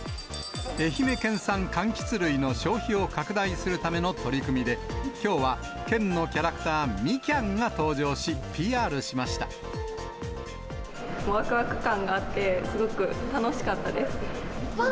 愛媛県産かんきつ類の消費を拡大するための取り組みで、きょうは県のキャラクター、わくわく感があって、すごく楽しかったです。わ！